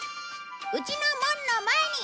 うちの門の前に！